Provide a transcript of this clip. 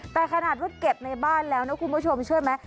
แต่ขนาดว่าเก็บในบ้านแล้วนะคุณผู้ชมเชื่อไหม